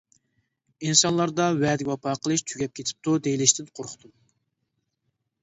ئىنسانلاردا ۋەدىگە ۋاپا قىلىش تۈگەپ كېتىپتۇ دېيىلىشتىن قورقتۇم.